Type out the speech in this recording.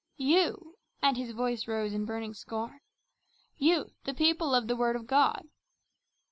You," and his voice rose in burning scorn, "you, the people of the word of God!